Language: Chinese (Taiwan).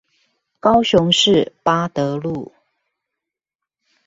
高雄市八德路